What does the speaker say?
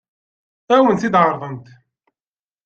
Ad wen-tt-ɛeṛḍent?